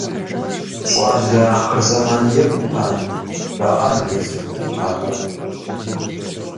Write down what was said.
«Щӏалэ ахъырзэмант, екӏут ар», – жаӏэж зыцӏыхуу щытахэм.